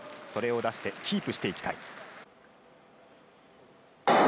それを出してキープしていきたい。